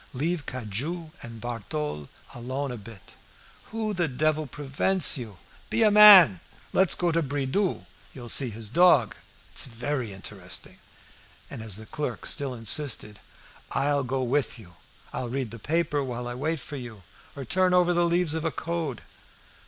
"Leave Cujas and Barthole alone a bit. Who the devil prevents you? Be a man! Let's go to Bridoux'. You'll see his dog. It's very interesting." And as the clerk still insisted "I'll go with you. I'll read a paper while I wait for you, or turn over the leaves of a 'Code.